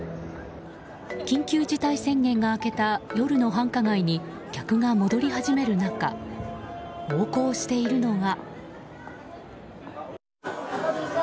緊急事態宣言が明けた夜の繁華街に客が戻り始める中横行しているのが。